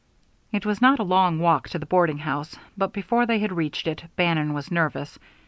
It was not a long walk to the boarding house but before they had reached it Bannon was nervous.